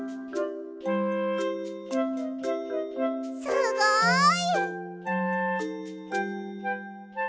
すごい！